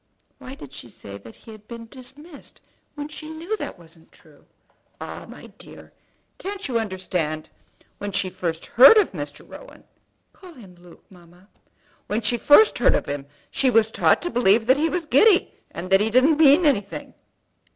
"Why did she say that he had been dismissed when she knew that it wasn't true?" "Ah, my dear! can't you understand? When she first heard of Mr. Rowan " "Call him Luke, mamma." "When she first heard of him she was taught to believe that he was giddy, and that he didn't mean anything."